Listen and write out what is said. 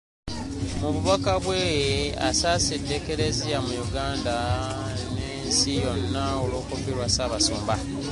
Mu bubaka bwe, asaasidde Eklezia mu Uganda n’ensi yonna olw’okufiirwa Ssaabasumba.